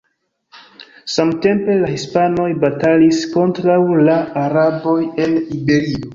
Samtempe, la hispanoj batalis kontraŭ la araboj en Iberio.